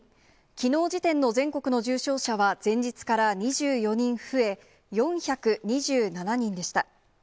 きのう時点の全国の重症者は、前日から２４人増え、４２７人でした。